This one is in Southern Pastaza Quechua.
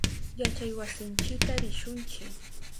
Yachaywasinchita rishunchi.